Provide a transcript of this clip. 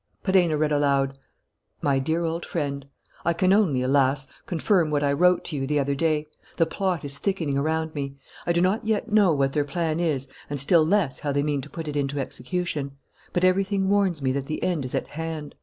Perenna read aloud: "MY DEAR OLD FRIEND: "I can only, alas, confirm what I wrote to you the other day: the plot is thickening around me! I do not yet know what their plan is and still less how they mean to put it into execution; but everything warns me that the end is at hand.